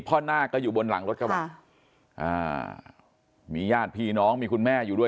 นาคก็อยู่บนหลังรถกระบะอ่ามีญาติพี่น้องมีคุณแม่อยู่ด้วย